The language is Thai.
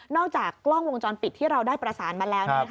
จากกล้องวงจรปิดที่เราได้ประสานมาแล้ว